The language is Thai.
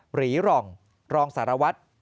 หรีร่องรองสารวัตร